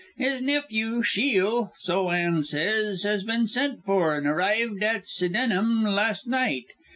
His nephew, Shiel, so Anne says, has been sent for, and arrived at Sydenham last night!